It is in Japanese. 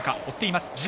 追っています。